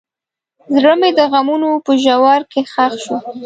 زړه مې د غمونو په ژوره کې ښخ شو.